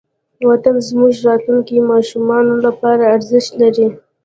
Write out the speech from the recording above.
وطن زموږ د راتلونکې ماشومانو لپاره ارزښت لري.